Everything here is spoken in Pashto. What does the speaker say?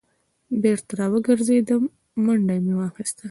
بېرته را وګرځېدم منډه مې واخیسته.